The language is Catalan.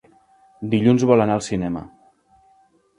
Dilluns vol anar al cinema.